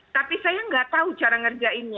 tapi saya tidak tahu cara mengerjakan